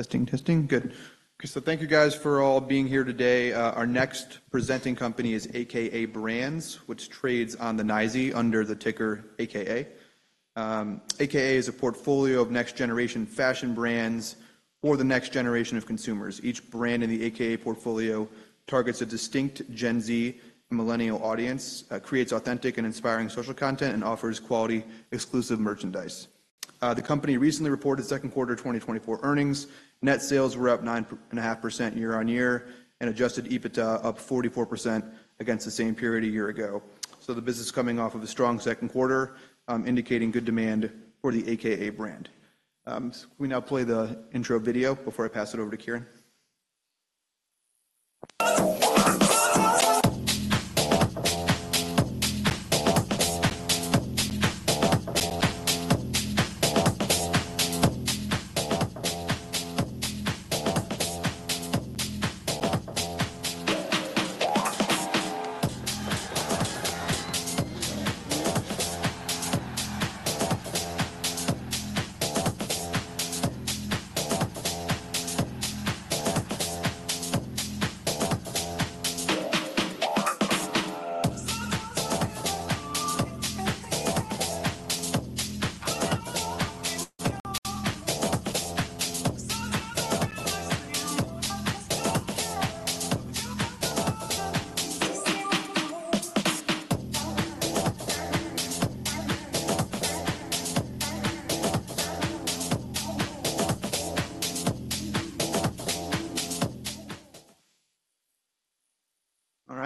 Testing, testing. Good. Okay, so thank you guys for all being here today. Our next presenting company is AKA Brands, which trades on the NYSE under the ticker AKA. AKA is a portfolio of next-generation fashion brands for the next generation of consumers. Each brand in the AKA portfolio targets a distinct Gen Z Millennial audience, creates authentic and inspiring social content, and offers quality, exclusive merchandise. The company recently reported second quarter 2024 earnings. Net sales were up 9.5% year on year, and Adjusted EBITDA up 44% against the same period a year ago. So the business is coming off of a strong second quarter, indicating good demand for the AKA brand. Can we now play the intro video before I pass it over to Ciaran?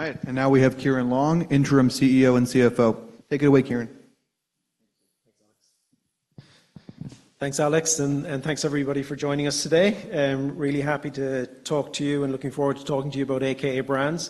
All right, and now we have Ciaran Long, Interim CEO and CFO. Take it away, Ciaran. Thanks, Alex, and thanks everybody for joining us today. I'm really happy to talk to you and looking forward to talking to you about AKA Brands.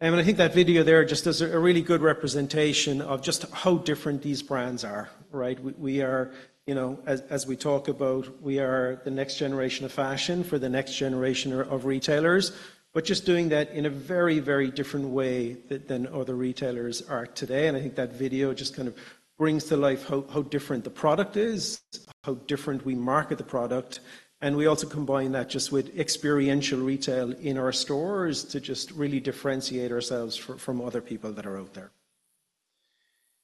And I think that video there just does a really good representation of just how different these brands are, right? We are, you know, as we talk about, we are the next generation of fashion for the next generation of retailers, but just doing that in a very, very different way than other retailers are today. And I think that video just kind of brings to life how different the product is, how different we market the product, and we also combine that just with experiential retail in our stores to just really differentiate ourselves from other people that are out there.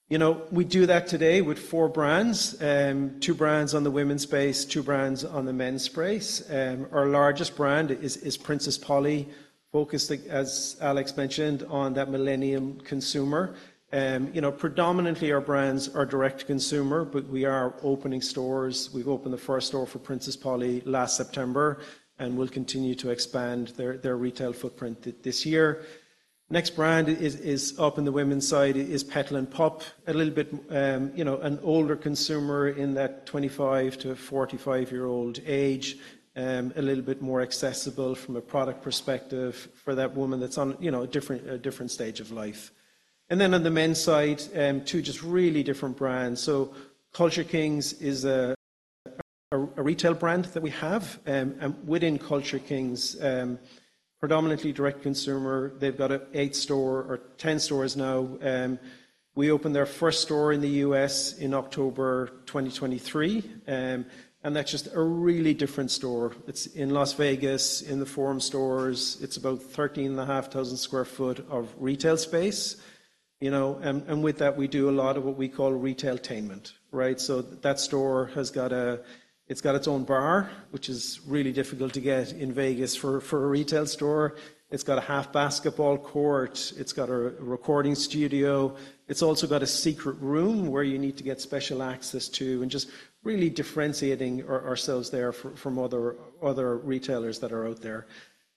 You know, we do that today with four brands, two brands on the women's space, two brands on the men's space. Our largest brand is Princess Polly, focused, as Alex mentioned, on that millennial consumer. You know, predominantly, our brands are direct to consumer, but we are opening stores. We've opened the first store for Princess Polly last September, and we'll continue to expand their retail footprint this year. Next brand is up in the women's side, is Petal & Pup, a little bit, you know, an older consumer in that 25 to 45 year-old age. A little bit more accessible from a product perspective for that woman that's on, you know, a different, a different stage of life. And then on the men's side, two just really different brands. Culture Kings is a retail brand that we have, and within Culture Kings, predominantly direct consumer, they've got eight or ten stores now. We opened their first store in the U.S. in October 2023, and that's just a really different store. It's in Las Vegas, in the Forum Shops. It's about 13,500 sq ft of retail space, you know, and with that, we do a lot of what we call retail-tainment, right? So that store has got a bar, which is really difficult to get in Vegas for a retail store. It's got a half basketball court. It's got a recording studio. It's also got a secret room where you need to get special access to, and just really differentiating ourselves there from other retailers that are out there.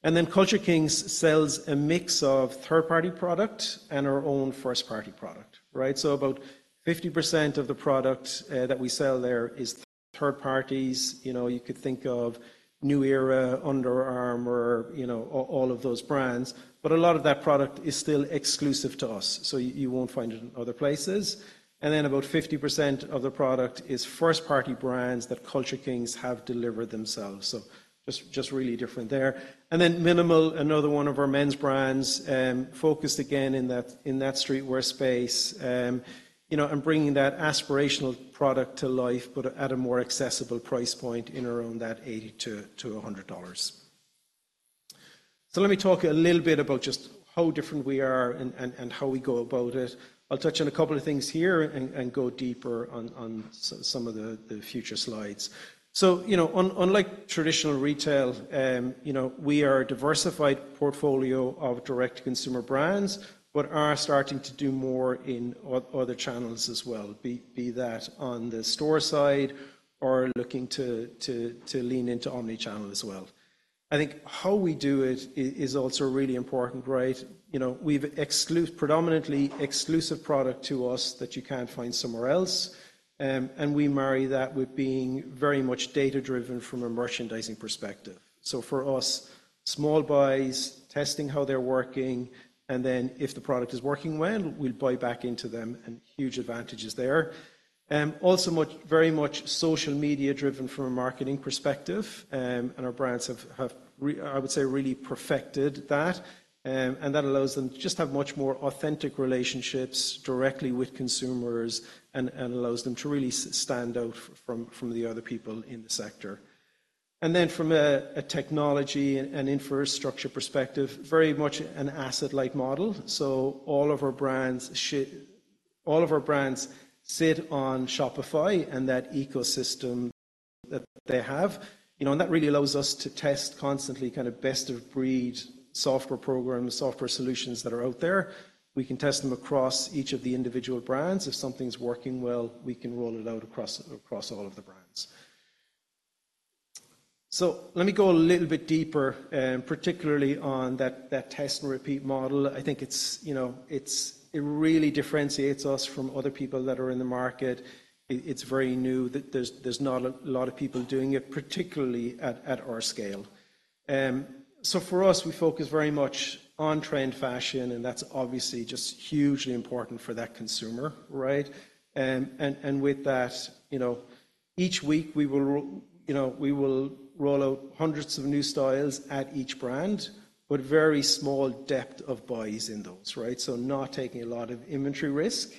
And then Culture Kings sells a mix of third-party product and our own first-party product, right? So about 50% of the product that we sell there is third parties. You know, you could think of New Era, Under Armour, you know, all of those brands, but a lot of that product is still exclusive to us, so you won't find it in other places. And then about 50% of the product is first-party brands that Culture Kings have delivered themselves, so just really different there. And then MNML, another one of our men's brands, focused again in that streetwear space, you know, and bringing that aspirational product to life, but at a more accessible price point in around that $80-$100. So let me talk a little bit about just how different we are and how we go about it. I'll touch on a couple of things here and go deeper on some of the future slides. You know, unlike traditional retail, you know, we are a diversified portfolio of direct-to-consumer brands but are starting to do more in other channels as well, be that on the store side or looking to lean into omni-channel as well. I think how we do it is also really important, right? You know, we've predominantly exclusive product to us that you can't find somewhere else, and we marry that with being very much data-driven from a merchandising perspective. So for us, small buys, testing how they're working, and then if the product is working well, we'll buy back into them, and huge advantages there. Also very much social media-driven from a marketing perspective, and our brands have, I would say, really perfected that. And that allows them to just have much more authentic relationships directly with consumers and allows them to really stand out from the other people in the sector. And then from a technology and infrastructure perspective, very much an asset-like model. So all of our brands sit on Shopify and that ecosystem that they have. You know, and that really allows us to test constantly, kind of best-of-breed software programs, software solutions that are out there. We can test them across each of the individual brands. If something's working well, we can roll it out across all of the brands. So let me go a little bit deeper, particularly on that test and repeat model. I think it's, you know, it really differentiates us from other people that are in the market. It's very new that there's not a lot of people doing it, particularly at our scale. So for us, we focus very much on trend fashion, and that's obviously just hugely important for that consumer, right? With that, you know, each week we will roll out hundreds of new styles at each brand, but very small depth of buys in those, right? So not taking a lot of inventory risk.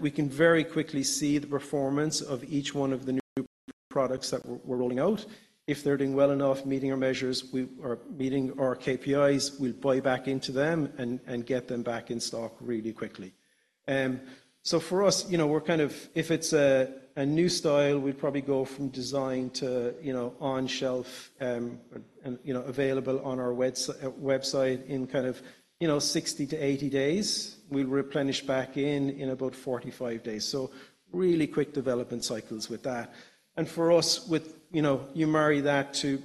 We can very quickly see the performance of each one of the new products that we're rolling out. If they're doing well enough, meeting our measures, or meeting our KPIs, we'll buy back into them and get them back in stock really quickly. So for us, you know, we're kind of if it's a new style, we'd probably go from design to, you know, on shelf and, you know, available on our website in kind of, you know, sixty to eighty days. We replenish back in about 45 days. So really quick development cycles with that. And for us, with you know, you marry that to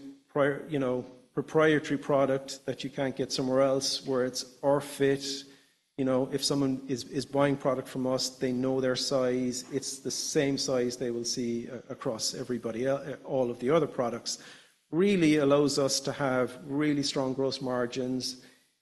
proprietary product that you can't get somewhere else, where it's our fit. You know, if someone is buying product from us, they know their size. It's the same size they will see across everybody else, all of the other products. Really allows us to have really strong gross margins,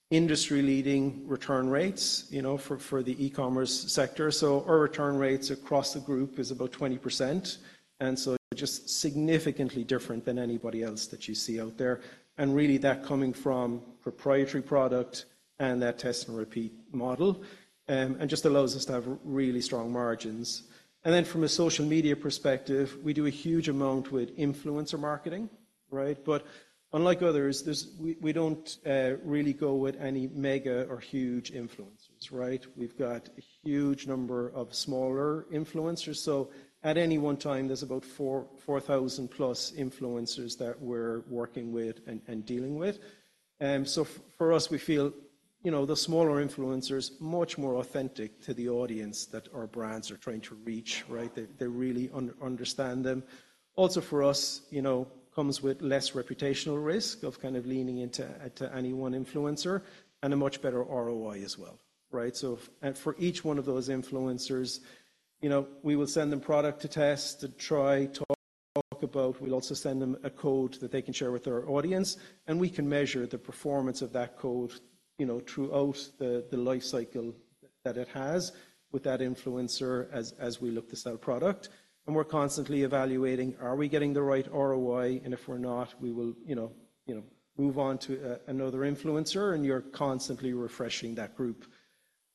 industry-leading return rates, you know, for the e-commerce sector. So our return rates across the group is about 20%, and so just significantly different than anybody else that you see out there. And really, that coming from proprietary product and that test and repeat model, and just allows us to have really strong margins. And then from a social media perspective, we do a huge amount with influencer marketing, right? But unlike others, there's... We don't really go with any mega or huge influencers, right? We've got a huge number of smaller influencers. So at any one time, there's about four thousand plus influencers that we're working with and dealing with. So for us, we feel, you know, the smaller influencers much more authentic to the audience that our brands are trying to reach, right? They really understand them. Also, for us, you know, comes with less reputational risk of kind of leaning into any one influencer and a much better ROI as well, right? So, for each one of those influencers, you know, we will send them product to test, to try, talk about. We'll also send them a code that they can share with their audience, and we can measure the performance of that code, you know, throughout the life cycle that it has with that influencer, as we look to sell product. And we're constantly evaluating, are we getting the right ROI? And if we're not, we will, you know, move on to another influencer, and you're constantly refreshing that group.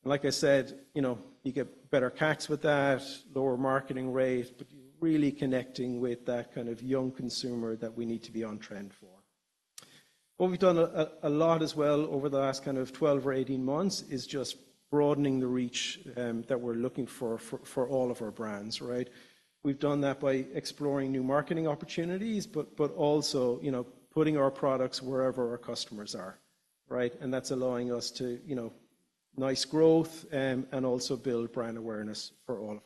And like I said, you know, you get better CACs with that, lower marketing rate, but you're really connecting with that kind of young consumer that we need to be on trend for. What we've done a lot as well over the last kind of twelve or eighteen months is just broadening the reach that we're looking for all of our brands, right? We've done that by exploring new marketing opportunities, but also, you know, putting our products wherever our customers are, right, and that's allowing us to, you know, nice growth, and also build brand awareness for all of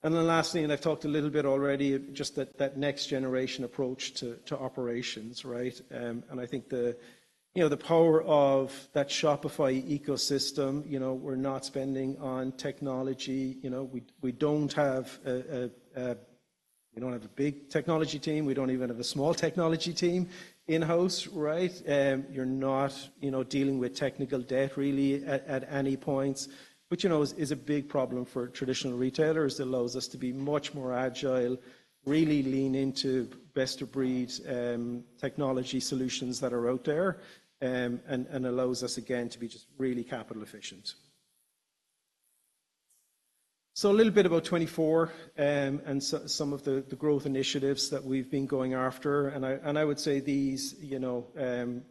our brands, and then lastly, and I've talked a little bit already, just that next generation approach to operations, right, and I think, you know, the power of that Shopify ecosystem, you know, we're not spending on technology. You know, we don't have a big technology team. We don't even have a small technology team in-house, right. You're not, you know, dealing with technical debt really at any points, which, you know, is a big problem for traditional retailers. It allows us to be much more agile, really lean into best-of-breed technology solutions that are out there and allows us, again, to be just really capital efficient, so a little bit about 2024 and so some of the growth initiatives that we've been going after, and I would say these, you know,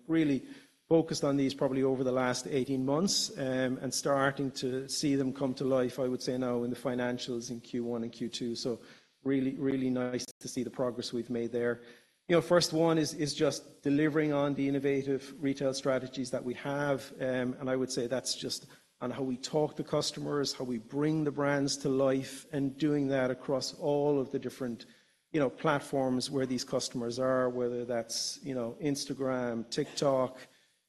really focused on these probably over the last 18 months and starting to see them come to life, I would say now in the financials in Q1 and Q2, so really, really nice to see the progress we've made there. You know, first one is just delivering on the innovative retail strategies that we have. And I would say that's just on how we talk to customers, how we bring the brands to life, and doing that across all of the different, you know, platforms where these customers are, whether that's, you know, Instagram, TikTok,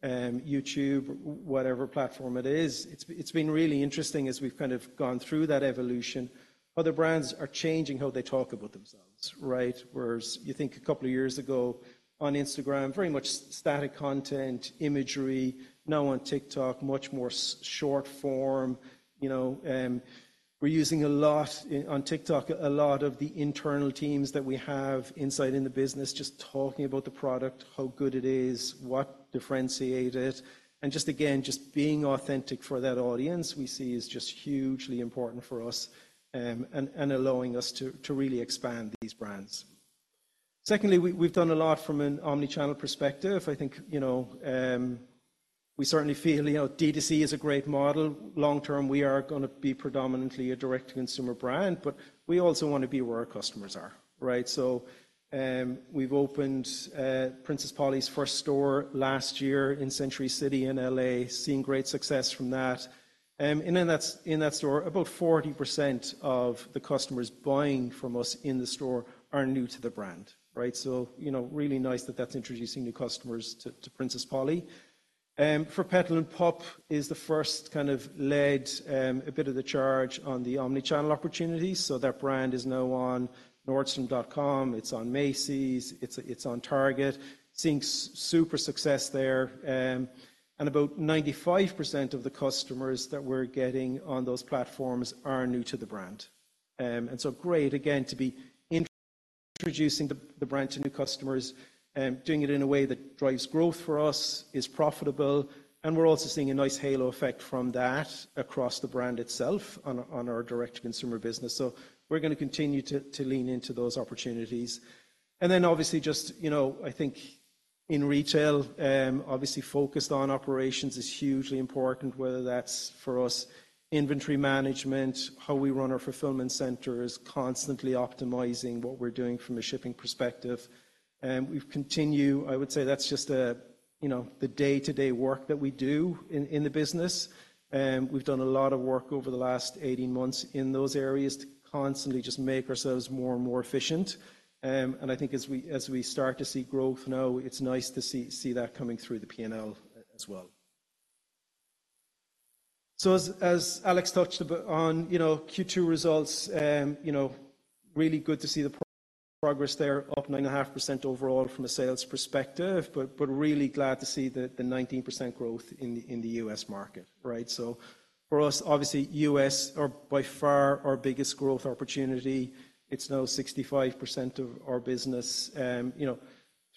YouTube, whatever platform it is. It's been really interesting as we've kind of gone through that evolution. Other brands are changing how they talk about themselves, right? Whereas you think a couple of years ago on Instagram, very much static content, imagery. Now on TikTok, much more short form. You know, we're using a lot on TikTok, a lot of the internal teams that we have inside in the business, just talking about the product, how good it is, what differentiate it. And just again, just being authentic for that audience we see is just hugely important for us, and allowing us to really expand these brands. Secondly, we've done a lot from an omni-channel perspective. I think, you know, we certainly feel, you know, D2C is a great model. Long term, we are gonna be predominantly a direct-to-consumer brand, but we also want to be where our customers are, right? So, we've opened Princess Polly's first store last year in Century City in LA, seeing great success from that. And in that store, about 40% of the customers buying from us in the store are new to the brand, right? So, you know, really nice that that's introducing new customers to Princess Polly. For Petal & Pup is the first kind of led a bit of the charge on the omni-channel opportunity. So that brand is now on Nordstrom.com, it's on Macy's, it's on Target. Seeing super success there. And about 95% of the customers that we're getting on those platforms are new to the brand. And so great again to be introducing the brand to new customers. Doing it in a way that drives growth for us, is profitable, and we're also seeing a nice halo effect from that across the brand itself on our direct-to-consumer business. So we're gonna continue to lean into those opportunities. And then obviously just, you know, I think in retail, obviously focused on operations is hugely important, whether that's for us, inventory management, how we run our fulfillment centers, constantly optimizing what we're doing from a shipping perspective. We've continued. I would say that's just a, you know, the day-to-day work that we do in the business. We've done a lot of work over the last eighteen months in those areas to constantly just make ourselves more and more efficient. And I think as we, as we start to see growth now, it's nice to see that coming through the P&L as well. So as Alex touched a bit on, you know, Q2 results, you know, really good to see the progress there, up 9.5% overall from a sales perspective, but really glad to see the 19% growth in the US market, right? For us, obviously, US is by far our biggest growth opportunity. It's now 65% of our business. You know,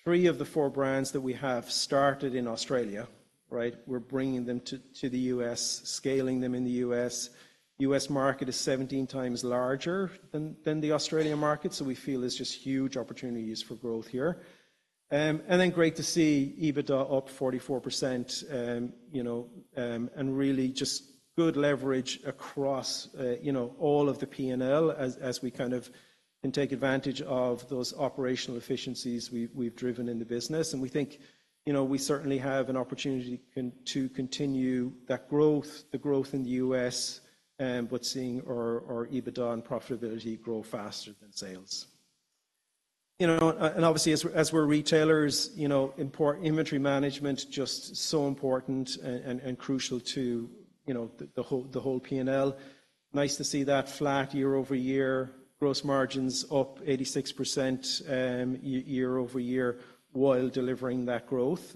three of the four brands that we have started in Australia, right? We're bringing them to the US, scaling them in the US. US market is 17 times larger than the Australian market, so we feel there's just huge opportunities for growth here. And then great to see EBITDA up 44%, you know, and really just good leverage across, you know, all of the P&L as we kind of can take advantage of those operational efficiencies we've driven in the business. And we think, you know, we certainly have an opportunity to continue that growth, the growth in the US, but seeing our EBITDA and profitability grow faster than sales. You know, and obviously, as we're retailers, you know, inventory management just so important and crucial to, you know, the whole P&L. Nice to see that flat year-over-year gross margins up 86%, year-over-year while delivering that growth.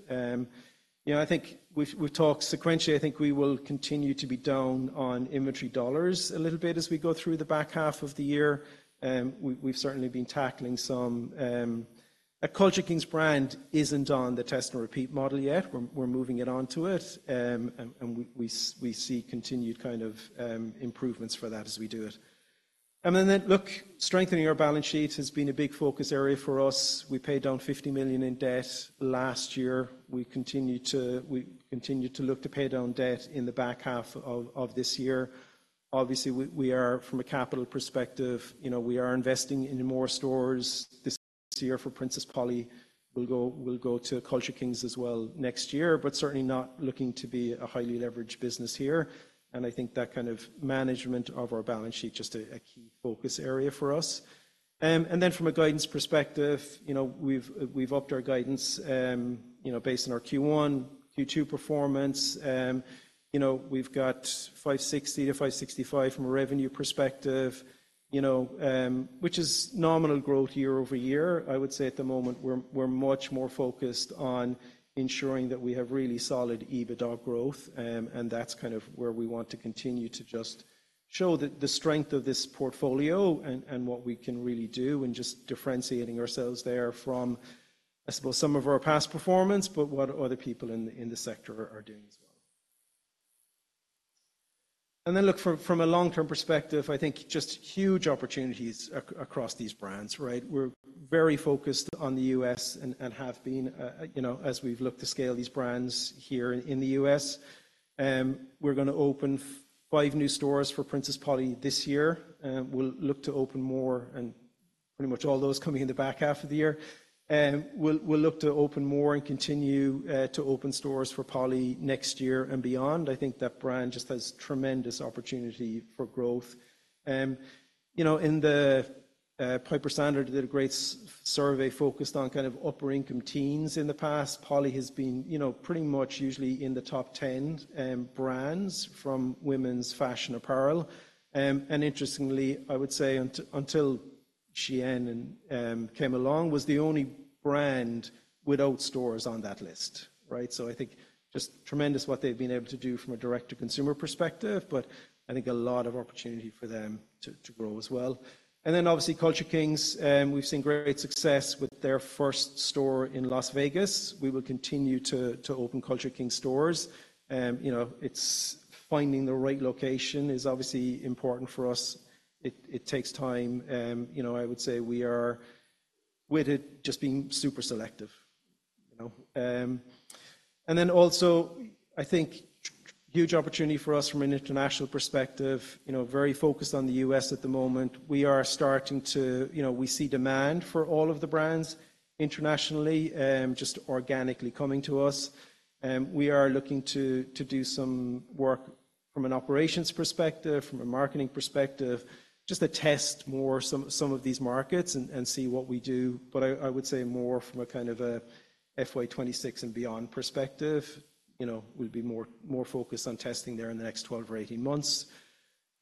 You know, I think we've talked sequentially. I think we will continue to be down on inventory dollars a little bit as we go through the back half of the year. We've certainly been tackling some... A Culture Kings brand isn't on the test and repeat model yet. We're moving it on to it, and we see continued kind of improvements for that as we do it. Look, strengthening our balance sheet has been a big focus area for us. We paid down $50 million in debt last year. We continue to look to pay down debt in the back half of this year. Obviously, we are from a capital perspective, you know, we are investing in more stores this year for Princess Polly. We'll go to Culture Kings as well next year, but certainly not looking to be a highly leveraged business here, and I think that kind of management of our balance sheet just a key focus area for us, and then from a guidance perspective, you know, we've upped our guidance, you know, based on our Q1, Q2 performance. You know, we've got $560-$565 from a revenue perspective, you know, which is nominal growth year over year. I would say at the moment, we're much more focused on ensuring that we have really solid EBITDA growth, and that's kind of where we want to continue to just show the strength of this portfolio and what we can really do, and just differentiating ourselves there from, I suppose, some of our past performance, but what other people in the sector are doing as well, and then look, from a long-term perspective, I think just huge opportunities across these brands, right? We're very focused on the U.S. and have been, you know, as we've looked to scale these brands here in the U.S. We're gonna open five new stores for Princess Polly this year, we'll look to open more and pretty much all those coming in the back half of the year. We'll look to open more and continue to open stores for Polly next year and beyond. I think that brand just has tremendous opportunity for growth. You know, in the, Piper Sandler did a great survey focused on kind of upper-income teens in the past. Polly has been, you know, pretty much usually in the top 10 brands from women's fashion apparel. And interestingly, I would say until Shein came along, was the only brand without stores on that list, right? So I think just tremendous what they've been able to do from a direct-to-consumer perspective, but I think a lot of opportunity for them to grow as well. And then obviously, Culture Kings, we've seen great success with their first store in Las Vegas. We will continue to open Culture Kings stores. You know, it's finding the right location is obviously important for us. It takes time. You know, I would say we are with it just being super selective. You know, and then also, I think, huge opportunity for us from an international perspective. You know, very focused on the U.S. at the moment. We are starting to. You know, we see demand for all of the brands internationally, just organically coming to us. We are looking to do some work from an operations perspective, from a marketing perspective, just to test more some of these markets and see what we do. But I would say more from a kind of a FY 2026 and beyond perspective. You know, we'll be more focused on testing there in the next twelve or eighteen months.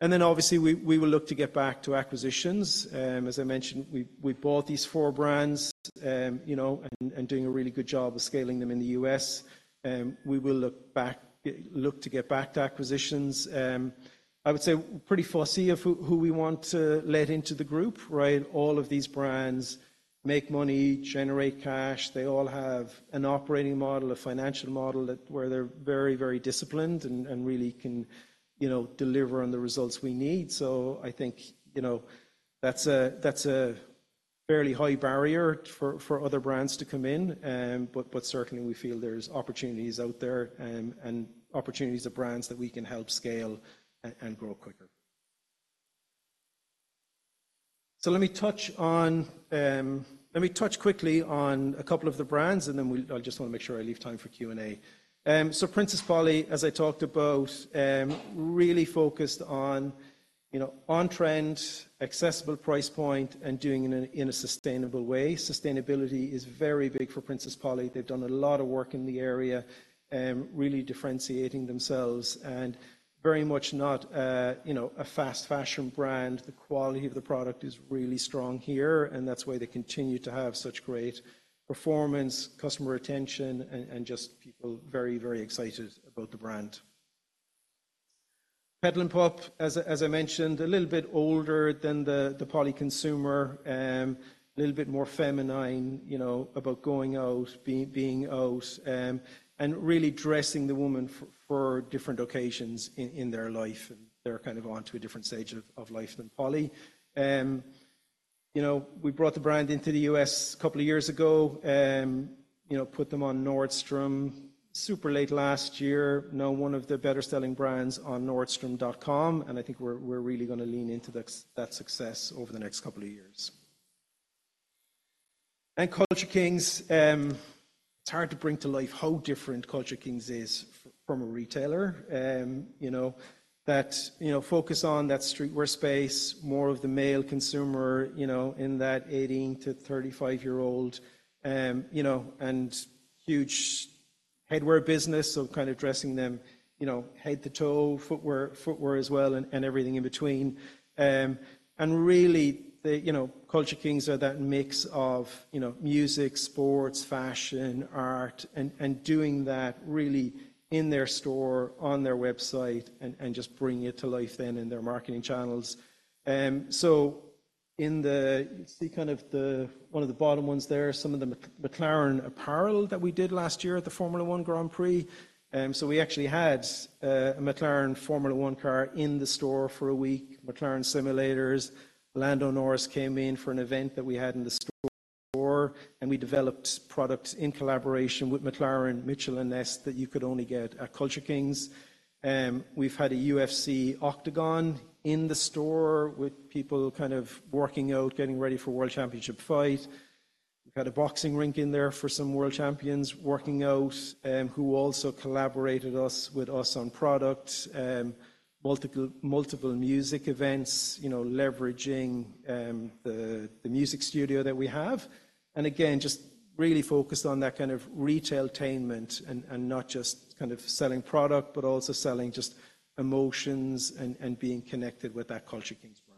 And then, obviously, we will look to get back to acquisitions. As I mentioned, we've bought these four brands, you know, and doing a really good job of scaling them in the US. We will look to get back to acquisitions. I would say pretty fussy of who we want to let into the group, right? All of these brands make money, generate cash. They all have an operating model, a financial model that... where they're very, very disciplined and really can, you know, deliver on the results we need. So I think, you know, that's a fairly high barrier for other brands to come in. But certainly we feel there's opportunities out there, and opportunities of brands that we can help scale and grow quicker. So let me touch on... Let me touch quickly on a couple of the brands, and then we. I just want to make sure I leave time for Q&A. So Princess Polly, as I talked about, really focused on, you know, on-trend, accessible price point, and doing it in a sustainable way. Sustainability is very big for Princess Polly. They've done a lot of work in the area, really differentiating themselves and very much not, you know, a fast fashion brand. The quality of the product is really strong here, and that's why they continue to have such great performance, customer retention, and just people very, very excited about the brand. Petal & Pup, as I mentioned, a little bit older than the Polly consumer. A little bit more feminine, you know, about going out, being out, and really dressing the woman for different occasions in their life, and they're kind of on to a different stage of life than Polly. You know, we brought the brand into the U.S. a couple of years ago. You know, put them on Nordstrom super late last year. Now one of the better-selling brands on Nordstrom.com, and I think we're really gonna lean into that success over the next couple of years. Culture Kings, it's hard to bring to life how different Culture Kings is from a retailer. You know, that focus on that streetwear space, more of the male consumer, you know, in that eighteen to thirty-five-year-old. You know, and huge headwear business, so kind of dressing them, you know, head to toe, footwear, footwear as well and, and everything in between. And really, the, you know, Culture Kings are that mix of, you know, music, sports, fashion, art, and, and doing that really in their store, on their website, and, and just bringing it to life then in their marketing channels. So in the. You see kind of the, one of the bottom ones there, some of the McLaren apparel that we did last year at the Formula One Grand Prix. So we actually had, a McLaren Formula One car in the store for a week, McLaren simulators. Lando Norris came in for an event that we had in the store, and we developed products in collaboration with McLaren, Mitchell & Ness, that you could only get at Culture Kings. We've had a UFC octagon in the store with people kind of working out, getting ready for a world championship fight. We've had a boxing rink in there for some world champions working out, who also collaborated with us on product. Multiple music events, you know, leveraging the music studio that we have. And again, just really focused on that kind of retail-tainment and not just kind of selling product, but also selling just emotions and being connected with that Culture Kings brands.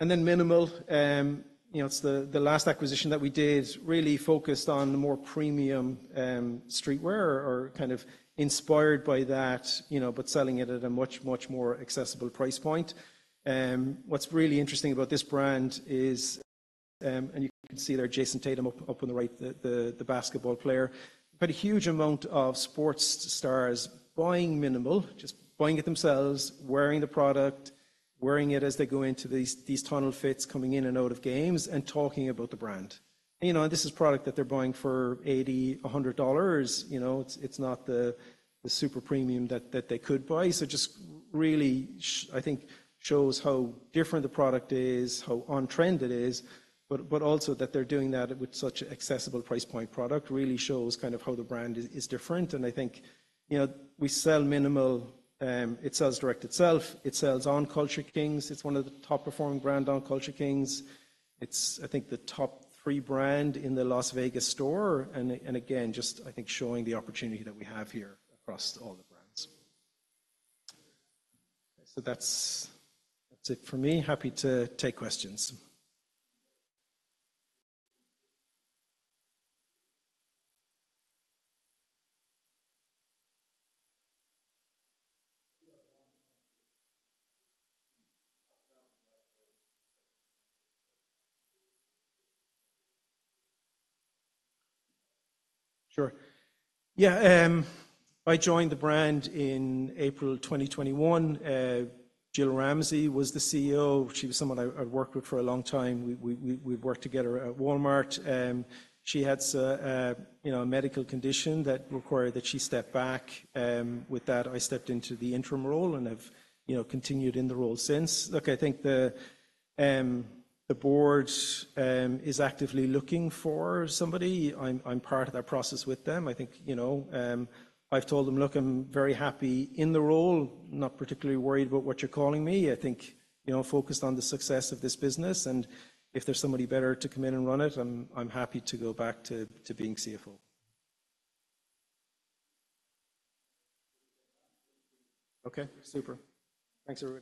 And then MNML, you know, it's the last acquisition that we did, really focused on the more premium streetwear or kind of inspired by that, you know, but selling it at a much more accessible price point. What's really interesting about this brand is... and you can see there Jayson Tatum up on the right, the basketball player. We've had a huge amount of sports stars buying MNML, just buying it themselves, wearing the product, wearing it as they go into these tunnel fits, coming in and out of games and talking about the brand. You know, and this is product that they're buying for $80-$100. You know, it's not the super premium that they could buy. So just really, I think, shows how different the product is, how on-trend it is, but also that they're doing that with such accessible price point product really shows kind of how the brand is different. And I think, you know, we sell MNML. It sells direct itself. It sells on Culture Kings. It's one of the top-performing brand on Culture Kings. It's, I think, the top three brand in the Las Vegas store, and again, just I think showing the opportunity that we have here across all the brands. So that's it for me. Happy to take questions. Sure. Yeah, I joined the brand in April twenty twenty-one. Jill Ramsey was the CEO. She was someone I'd worked with for a long time. We've worked together at Walmart. She had a, you know, a medical condition that required that she step back. With that, I stepped into the interim role and have, you know, continued in the role since. Look, I think the board is actively looking for somebody. I'm part of that process with them. I think, you know, I've told them, "Look, I'm very happy in the role, not particularly worried about what you're calling me." I think, you know, focused on the success of this business, and if there's somebody better to come in and run it, I'm happy to go back to being CFO. Okay, super. Thanks, everybody.